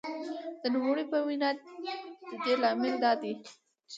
د نوموړې په وینا د دې لامل دا دی چې